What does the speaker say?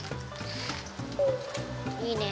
いいね！